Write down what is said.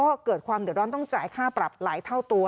ก็เกิดความเดือดร้อนต้องจ่ายค่าปรับหลายเท่าตัว